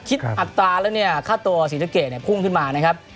คิดอัตราแล้วเนี่ยค่าตัวสินเกตพุ่งขึ้นมานะครับ